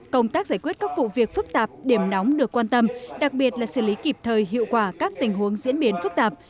công tác giải quyết các vụ việc phức tạp điểm nóng được quan tâm đặc biệt là xử lý kịp thời hiệu quả các tình huống diễn biến phức tạp